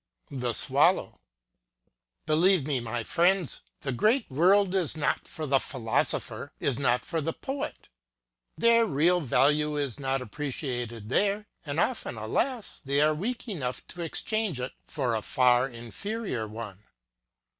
THE SWALLOW. BEIJEVE me, friends ! the great world is not for the phil osopher is not for the poet. Their real value is not appre ciated there ; and often, alas ! they are weak enough to exchange it for a far inferior one.